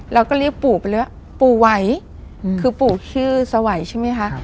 แล้วก็เรียกปู่ไปเลยว่าปู่ไหวคือปู่ชื่อสวัยใช่ไหมคะ